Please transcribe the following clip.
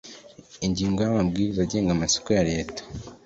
Ingingo ya amabwiriza agenga amasoko ya leta